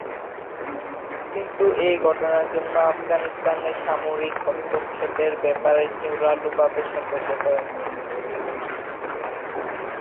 কিন্তু এই ঘটনার জন্য আফগানিস্তানে সামরিক হস্তক্ষেপের ব্যাপারে জোরালোভাবে সতর্ক করেন।